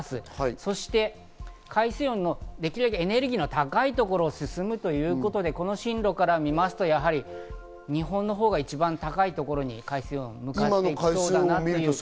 そして海水温のできるだけエネルギーの高いところを進むということでこの進路から見ますとやはり、日本のほうが一番高いところに海水温が向かっている。